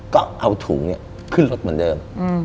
ก็เอาถุงขึ้นรถเหมือนเดิม